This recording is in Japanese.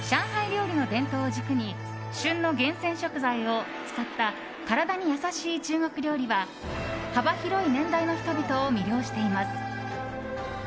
料理の伝統を軸に旬の厳選食材を使った体に優しい中国料理は幅広い年代の人々を魅了しています。